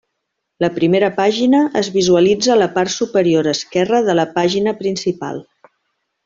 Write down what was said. La primera pàgina es visualitza a la part superior esquerra de la pàgina principal.